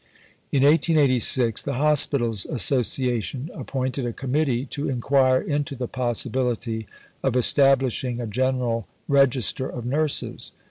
In 1886 the Hospitals Association appointed a Committee to inquire into the possibility of establishing a General Register of Nurses.